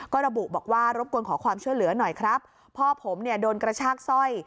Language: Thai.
ก็ระบุบอกว่ารบกวนขอความช่วยเหลือหน่อยครับพ่อผมเนี่ยโดนกระชากสร้อย